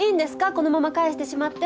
このまま帰してしまって。